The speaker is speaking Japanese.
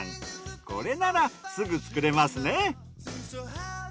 これならすぐ作れますね。